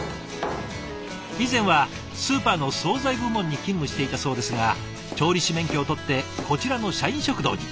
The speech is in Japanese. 以前はスーパーの総菜部門に勤務していたそうですが調理師免許を取ってこちらの社員食堂に。